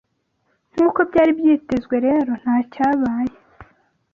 Nk’uko byari byitezwe rero ntacyabaye